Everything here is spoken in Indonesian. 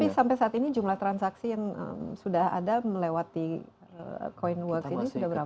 tapi sampai saat ini jumlah transaksi yang sudah ada melewati coinworks ini sudah berapa